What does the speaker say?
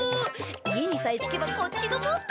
家にさえ着けばこっちのもんだ！